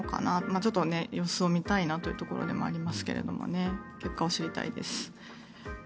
ちょっと様子を見たいなというところでもありますが結果を知りたいです。